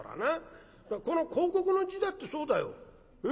この広告の字だってそうだよ。